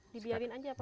dibiarin aja pak